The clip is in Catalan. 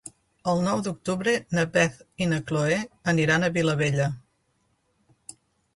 El nou d'octubre na Beth i na Chloé aniran a Vilabella.